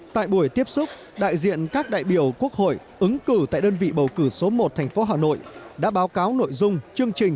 tại buổi tiếp xúc đại diện các đại biểu quốc hội ứng cử tại đơn vị bầu cử số một thành phố hà nội đã báo cáo nội dung chương trình